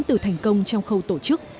từ thành công trong khâu tổ chức